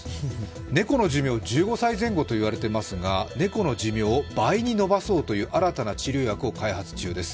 猫の寿命１５歳前後と言われていますが、猫の寿命を倍に延ばそうという新たな治療薬を開発中です。